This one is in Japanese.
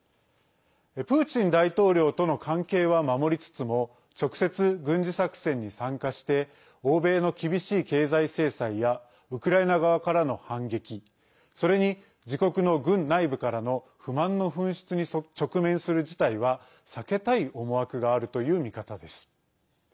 プーチン大統領との関係は守りつつも直接、軍事作戦に参加して欧米の厳しい経済制裁やウクライナ側からの反撃それに自国の軍内部からの不満の噴出に直面する事態は避けたい思惑があるという見方です。